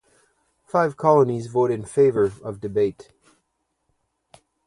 Five colonies vote in favor of debate.